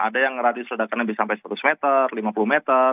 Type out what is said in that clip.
ada yang radius ledakannya bisa sampai seratus meter lima puluh meter